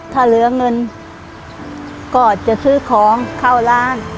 ถ้าเหลือเงินก็จะซื้อของเข้าร้าน